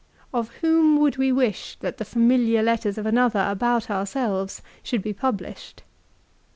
Of whom would we wish that the familiar letters of another about ourselves should be published